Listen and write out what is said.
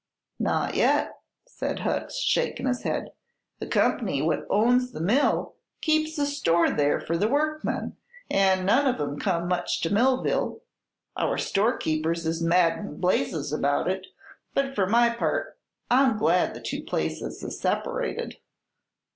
"Not yet," said Hucks, shaking his head. "The comp'ny what owns the mill keeps a store there for the workmen, an' none of 'em come much to Millville. Our storekeepers is madder'n blazes about it; but fer my part I'm glad the two places is separated."